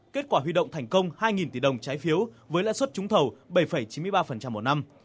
kết quả huy động thành công hai tỷ đồng trái phiếu với lãi suất trúng thầu bảy chín mươi ba một năm